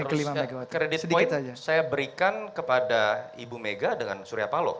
kredit point saya berikan kepada ibu mega dengan surya paloh